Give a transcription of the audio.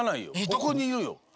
ここにいるよ。